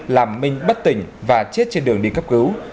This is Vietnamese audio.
làm minh bất tỉnh và chết trên đường đi cấp cứu